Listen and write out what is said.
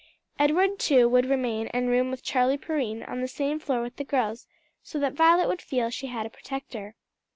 Edward, too, would remain and room with Charlie Perrine, on the same floor with the girls, so that Violet would feel that she had a protector.